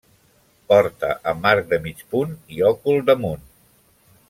Porta amb arc de mig punt i òcul damunt.